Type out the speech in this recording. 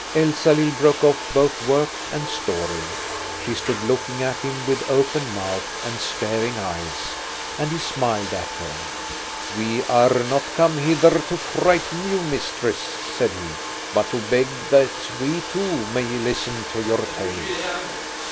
Elsalill broke off both work and story. She stood looking at him with open mouth and staring eyes. And he smiled at her. "We are not come hither to frighten you, mistress," said he, "but to beg that we too may listen to your tale."